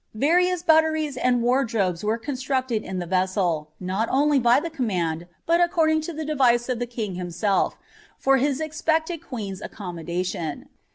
Various butleriea and waidrobes were constructed in the «e«ei, not only by the command, but according to the device of the kiof bimsetf, for his expected queen's accommodation.'